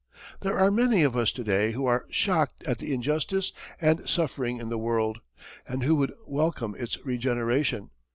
There are many of us to day who are shocked at the injustice and suffering in the world, and who would welcome its regeneration.